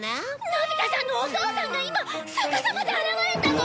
のび太さんのお父さんが今逆さまで現れたの！